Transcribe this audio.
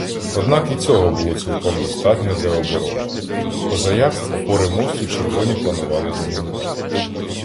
Однак і цього було цілком достатньо для оборони, позаяк опори мосту «червоні» планували замінувати.